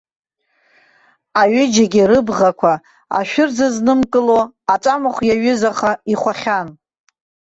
Аҩыџьагьы рыбӷақәа, ашәыр зызнымкыло аҵәамахә иаҩызаха, ихәахьан.